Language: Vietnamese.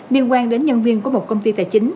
liên quan đến nhân viên của một công ty tài chính